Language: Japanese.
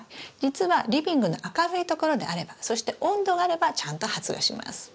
実はリビングの明るいところであればそして温度があればちゃんと発芽します。